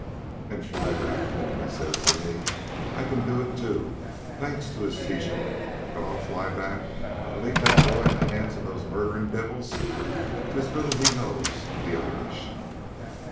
"And: 'Fly back home!' he says to me. I can do it, too; thanks to his teachin'. But fly back and leave that bhoy in the hands of those murderin' devils! 'tis little he knows the Irish!"